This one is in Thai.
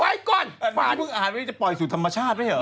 ก่อนฟ้าเพิ่งอ่านไว้จะปล่อยสู่ธรรมชาติไว้เหรอ